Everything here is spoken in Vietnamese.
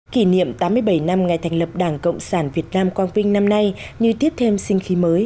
kỷ niệm tám mươi bảy năm ngày thành lập đảng cộng sản việt nam quang vinh năm nay như tiếp thêm sinh khí mới